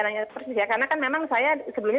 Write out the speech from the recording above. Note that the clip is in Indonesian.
tanya persis ya karena kan memang saya sebelumnya